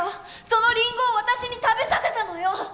そのリンゴを私に食べさせたのよ！